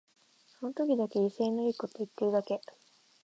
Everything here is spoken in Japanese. その時だけ威勢のいいこと言ってるだけ